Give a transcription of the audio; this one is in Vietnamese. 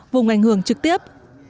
vùng ảnh hưởng trực tiếp